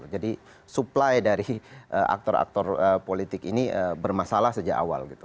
jadi supply dari aktor aktor politik ini bermasalah sejak awal